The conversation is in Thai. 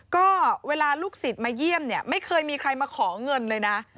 ก็เวลาลูกศิษย์มาเยี่ยมเนี่ยไม่เคยมีใครมาขอเงินเลยนะ